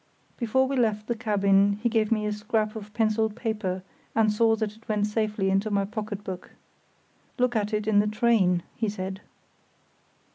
Before we left the cabin he gave me a scrap of pencilled paper and saw that it went safely into my pocket book. "Look at it in the train," he said.